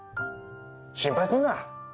心配すんな。